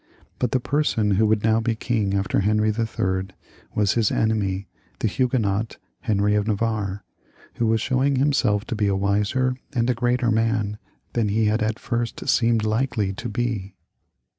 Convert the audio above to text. But the person who would now be king after Henry III. was his enemy, the Hugu6 XXXIX.] HENRY IIL 289 not, Henry of Navarre, who was showing himself to be a wiser and a greater man than he had at first seemed likely to be.